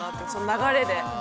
流れで。